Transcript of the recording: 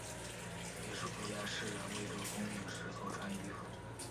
也是古代士人未得功名时所穿衣服。